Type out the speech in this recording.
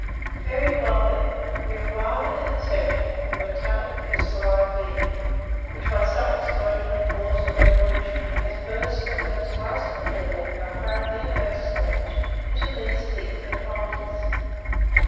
"Very well, then we arrive at the conception of a metallically crystalline being, which by some explosion of the force of evolution has burst from the to us familiar and apparently inert stage into these Things that hold us.